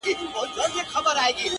o ته يې جادو په شينكي خال كي ويــنې.